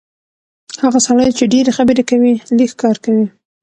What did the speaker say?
هغه سړی چې ډېرې خبرې کوي، لږ کار کوي.